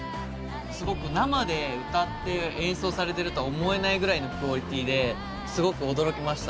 すごく生で歌って演奏されているとは思えないぐらいのクオリティーですごく驚きました。